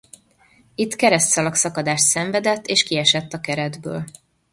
Itt keresztszalag szakadás szenvedett és kiesett a keretből.